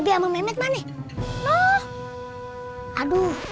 di runjung tuh